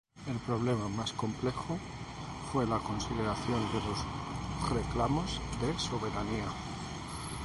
El problema más complejo fue la consideración de los reclamos de soberanía.